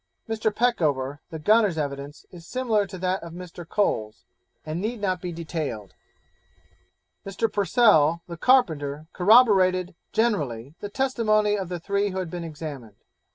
Mr. Peckover the gunner's evidence is similar to that of Mr. Cole's, and need not be detailed. Mr. Purcell, the carpenter, corroborated, generally, the testimony of the three who had been examined.